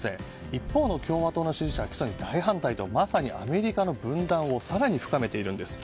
一方の共和党の支持者は起訴に大反対とまさにアメリカの分断を更に深めているんです。